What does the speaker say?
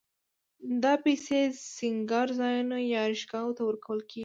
دا پیسې سینګارځایونو یا آرایشګاوو ته ورکول کېږي